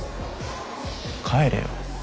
帰れよ。